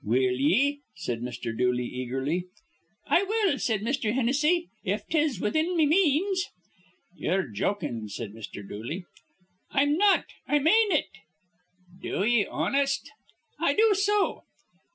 "Will ye?" said Mr. Dooley, eagerly. "I will," said Mr. Hennessy, "if 'tis within me means." "Ye're jokin'," said Mr. Dooley. "I'm not. I mane it." "Do ye, honest?" "I do so."